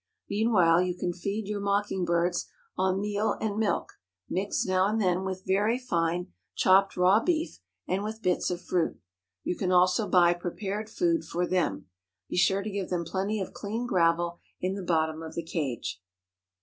Meanwhile you can feed your mocking birds on meal and milk, mixed now and then with very fine chopped raw beef and with bits of fruit. You can also buy prepared food for them. Be sure to give them plenty of clean gravel in the bottom of the cage.